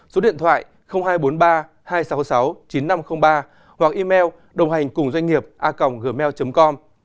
số điện thoại hai trăm bốn mươi ba hai trăm sáu mươi sáu chín nghìn năm trăm linh ba hoặc email đồnghànhcunghiệp a gmail com